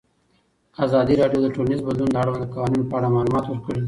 ازادي راډیو د ټولنیز بدلون د اړونده قوانینو په اړه معلومات ورکړي.